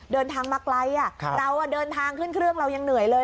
เดินทางมาไกลเราเดินทางขึ้นเครื่องเรายังเหนื่อยเลย